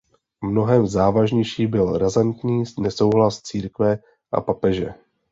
Mnohem závažnější byl razantní nesouhlas církve a papeže.